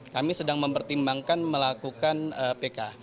kami sedang mempertimbangkan melakukan pk